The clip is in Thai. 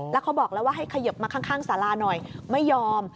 แล้วเขาบอกแล้วว่าให้ขยิบมาข้างสาราหน่อยไม่ยอม